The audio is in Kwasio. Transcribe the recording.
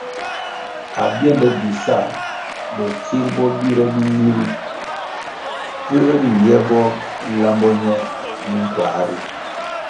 Abiende bi sa botsir bo bire bili ri puer riye bo lambo ñe minkua ri.